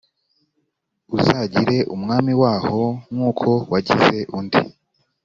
uzagire umwami waho nk’uko wagize undi